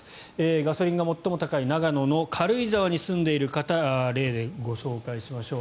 ガソリンが最も高い長野の軽井沢に住んでいる方例でご紹介しましょう。